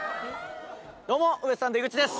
どうもウエストランド井口です。